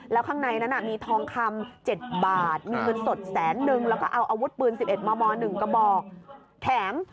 แล้วข้างในนั้นมีทองคำ๗บาทมีเงินสดแสนนึงแล้วก็เอาอาวุธปืน๑๑มม๑กระบอกแถม